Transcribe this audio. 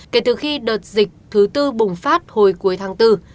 kể từ khi đợt dịch thứ tư bùng phát hồi cuối tháng bốn